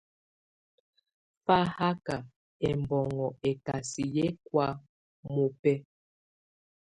Fahaka ɛmbɔnŋɔ ɛkasɛ yɛ kɔa mɔbɛ.